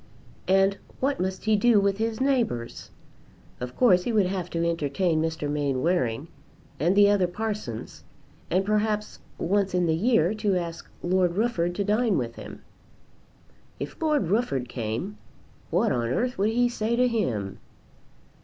And what must he do with his neighbours? Of course he would have to entertain Mr. Mainwaring and the other parsons, and perhaps once in the year to ask Lord Rufford to dine with him. If Lord Rufford came, what on earth would he say to him?